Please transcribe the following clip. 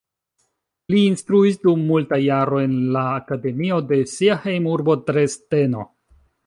Li instruis dum multaj jaroj en la akademio de sia hejmurbo, Dresdeno.